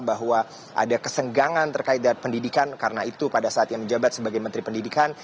bahwa ada kesenggangan terkait pendidikan karena itu pada saat ia menjabat sebagai menteri pendidikan